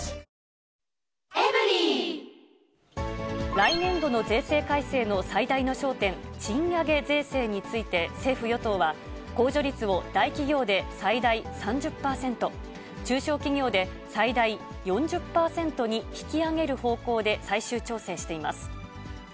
来年度の税制改正の最大の焦点、賃上げ税制について、政府・与党は、控除率を大企業で最大３０％、中小企業で最大４０％に引き上げる方向で最終調整しています。